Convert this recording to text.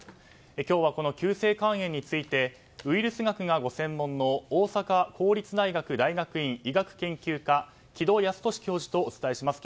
今日は、この急性肝炎についてウイルス学がご専門の大阪公立大学大学院医学研究科城戸康年教授とお伝えします。